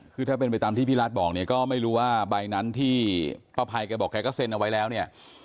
คือถ้าเป็นไปตามที่พี่รัฐบอกเนี่ยก็ไม่รู้ว่าใบนั้นที่ป้าภัยแกบอกแกก็เซ็นเอาไว้แล้วเนี่ย